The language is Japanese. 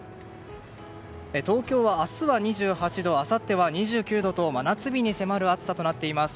東京は明日は２８度あさっては２９度と真夏日に迫る暑さとなっています。